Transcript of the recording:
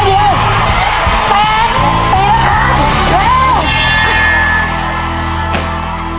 เร็ว